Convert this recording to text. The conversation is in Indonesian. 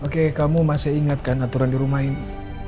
oke kamu masih ingatkan aturan di rumah ini